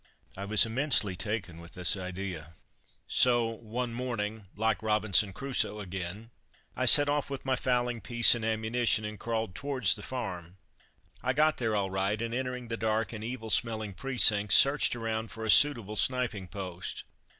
I was immensely taken with this idea. So, one morning (like Robinson Crusoe again) I set off with my fowling piece and ammunition, and crawled towards the farm. I got there all right, and entering the dark and evil smelling precincts, searched around for a suitable sniping post.